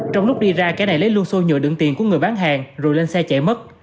trong lúc đi ra kẻ này lấy luôn xô nhựa đựng tiền của người bán hàng rồi lên xe chạy mất